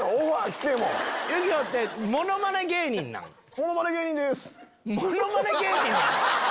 ものまね芸人なん⁉